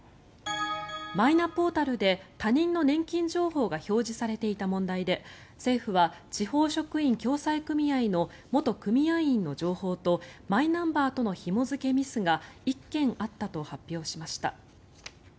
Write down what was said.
マイナポータルで他人の年金情報が表示されていた問題で政府は地方職員共済組合の元組合員の情報とマイナンバーとのひも付けミスが１件あったと発表しました。